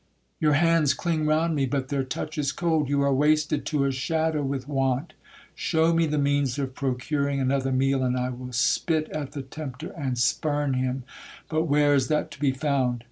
Your hands cling round me, but their touch is cold!—You are wasted to a shadow with want! Shew me the means of procuring another meal, and I will spit at the tempter, and spurn him!—But where is that to be found?